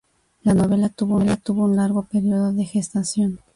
La novela tuvo un largo período de gestación.